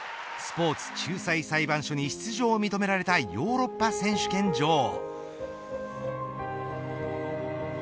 スポーツ仲裁裁判所に出場を認められたヨーロッパ選手権女王。